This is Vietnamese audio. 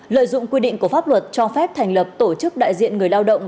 lợi dụng quy định của pháp luật cho phép thành lập tổ chức đại diện người lao động